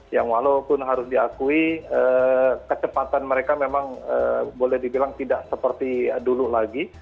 yang walaupun harus diakui kecepatan mereka memang boleh dibilang tidak seperti dulu lagi